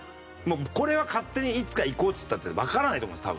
これは勝手にいつか行こうっつったってわからないと思います